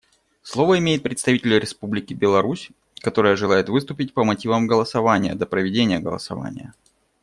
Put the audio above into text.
Слово имеет представитель Республики Беларусь, которая желает выступить по мотивам голосования до проведения голосования.